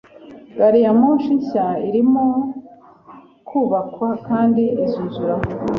Gariyamoshi nshya irimo kubakwa kandi izuzura vuba